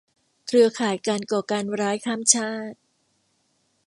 เครือข่ายการก่อการร้ายข้ามชาติ